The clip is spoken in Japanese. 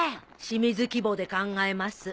清水規模で考えます。